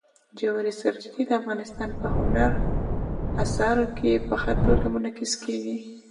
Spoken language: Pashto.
ژورې سرچینې د افغانستان په هنر په اثار کې په ښه توګه منعکس کېږي.